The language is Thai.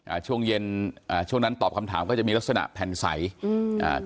อ่าช่วงเย็นอ่าช่วงนั้นตอบคำถามก็จะมีลักษณะแผ่นใสอืมอ่า